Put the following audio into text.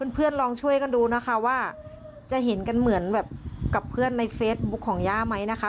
ลองช่วยกันดูนะคะว่าจะเห็นกันเหมือนแบบกับเพื่อนในเฟซบุ๊คของย่าไหมนะคะ